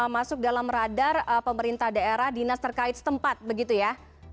masuk dalam radar pemerintah daerah dinas terkait setempat begitu ya